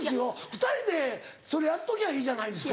２人でそれやっときゃいいじゃないですか。